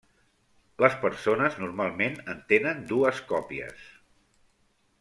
Les persones normalment en tenen dues còpies.